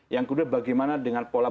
yang kedua bagaimana dengan pola